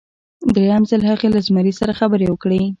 دریم ځل هغې له زمري سره خبرې وکړې.